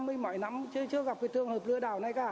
mấy mấy năm chưa gặp cái thường hợp lừa đảo này cả